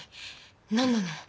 何なの？